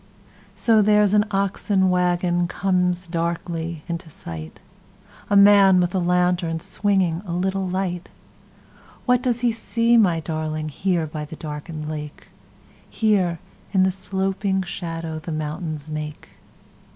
So, there's an oxen wagonComes darkly into sight:A man with a lantern, swingingA little light. What does he see, my darlingHere by the darkened lake? Here, in the sloping shadowThe mountains make?